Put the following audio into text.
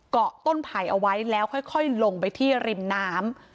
เกาะต้นไผ่เอาไว้แล้วค่อยลงไปที่ริมน้ำ